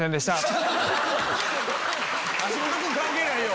橋本君関係ないよ。